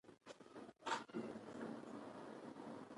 هغه خپل ټول ټوکر په پنځه پنځوس افغانیو پلوري